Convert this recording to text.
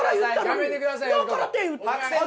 やめてください。